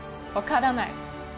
分からない